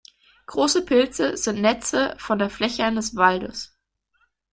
Große Pilze sind Netze von der Fläche eines Waldes.